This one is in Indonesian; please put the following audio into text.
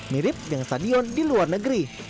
mirip dengan stadion di luar negeri